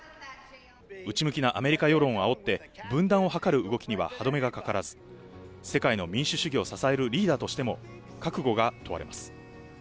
内向きなアメリカ世論をあおって分断を図る動きには歯止めがかからず、世界の民主主義を支えるリーダーとしても覚悟が問われます。